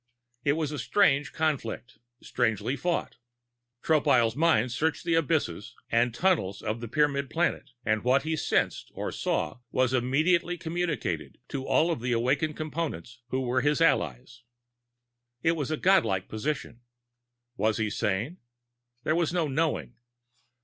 It was a strange conflict, strangely fought. Tropile's mind searched the abysses and tunnels of the Pyramid planet, and what he sensed or saw was immediately communicated to all of the awakened Components who were his allies. It was a godlike position. Was he sane? There was no knowing.